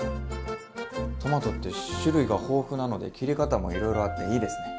トマトって種類が豊富なので切り方もいろいろあっていいですね。